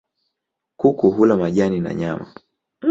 Kuku hula majani na nyama.